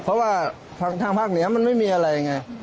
เพราะว่าทางภาคเหนือมันไม่มีอะไรไง